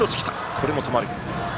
これも止まる。